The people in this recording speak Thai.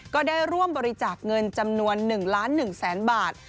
ก็ได้ร่วมบริจาคเงินจำนวน๑ล้าน๑แสนบาท